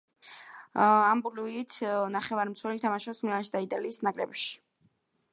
ამპლუით ნახევარმცველი, თამაშობს „მილანში“ და იტალიის ნაკრებში.